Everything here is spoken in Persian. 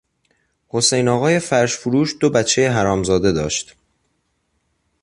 حسین آقای فرش فروش دو بچهی حرامزاده داشت.